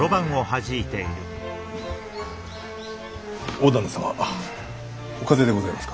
大旦那様お風邪でございますか？